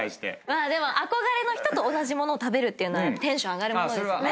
まあでも憧れの人と同じものを食べるっていうのはテンション上がるものですよね。